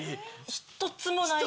１つもない？